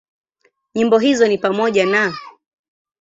Nyimbo hizo ni pamoja na;